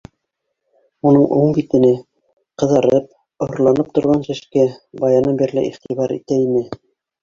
Уның уң Битенә, ҡыҙарып, ороланып торған шешкә, баянан бирле Ютибар итә ине